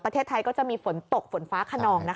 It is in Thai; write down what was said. ประเทศไทยก็จะมีฝนตกฝนฟ้าขนองนะคะ